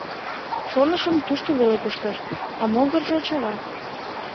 Шонышым, тушто веле кушкеш, а могыржо чара...